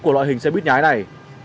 của loài hình xe buýt nhái này